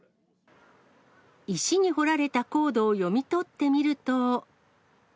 石に彫られたコードを読み取ってみると。